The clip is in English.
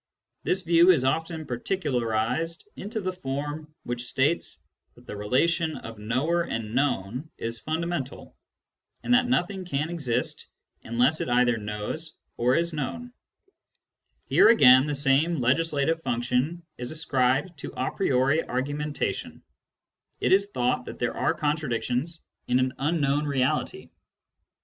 This view is often particularised into the form which states that the relation of knower and known is fundamental, and that nothing can exist unless it either knows or is known. Here again the same l^slative function is ascribed to a priori argumentation : Digitized by Google lo SCIENTIFIC METHOD IN PHILOSOPHY it is thought that there are contradictions in an unknown reality.